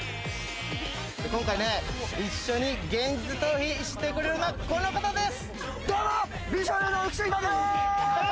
今回一緒に現実逃避してくれるのは、この方です。